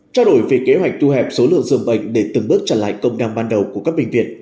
chào đổi về kế hoạch thu hẹp số lượng dương bệnh để từng bước trở lại công năng ban đầu của các bệnh viện